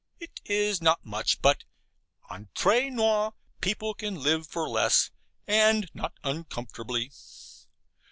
It is not much; but, ENTRE NOUS, people can live for less, and not uncomfortably.